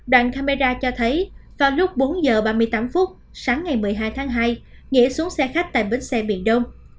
đoạn camera cho thấy vào lúc bốn h ba mươi tám phút sáng ngày một mươi hai tháng hai nghĩa xuống xe khách tại bến xe miền đông